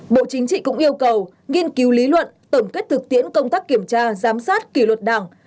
bộ chính trị cũng yêu cầu nghiên cứu lý luận tổng kết thực tiễn công tác kiểm tra giám sát kỷ luật đảng